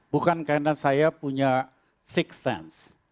bukan karena saya punya six sense